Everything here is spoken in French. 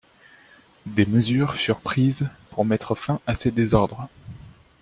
Des mesures furent prises pour mettre fin à ces désordres.